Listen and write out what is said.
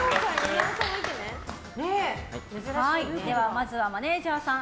まずはマネジャーさん